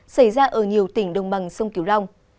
xảy ra ở nhiều tỉnh đồng bằng sông kiều long